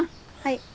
はい。